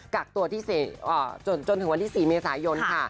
กักตัวจนถึงวันที่๔เมษายน